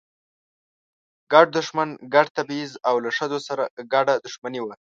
ګډ دښمن، ګډ تبعیض او له ښځو سره ګډه دښمني وه.